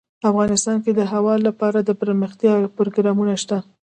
افغانستان کې د هوا لپاره دپرمختیا پروګرامونه شته.